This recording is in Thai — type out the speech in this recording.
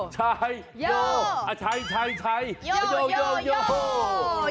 ใช่โยหาใช่ใช่ใช่โยโย